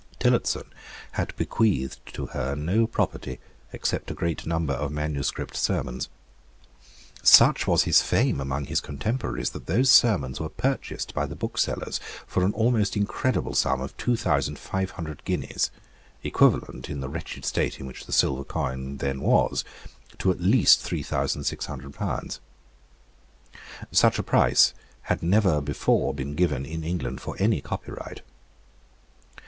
Tillotson had bequeathed to her no property, except a great number of manuscript sermons. Such was his fame among his contemporaries that those sermons were purchased by the booksellers for the almost incredible sum of two thousand five hundred guineas, equivalent, in the wretched state in which the silver coin then was, to at least three thousand six hundred pounds. Such a price had never before been given in England for any copyright.